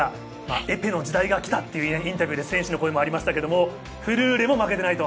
エペの時代がきたとインタビューで選手の声がありましたが、フルーレも負けてない。